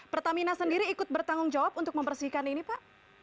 pertamina sendiri ikut bertanggung jawab untuk membersihkan ini pak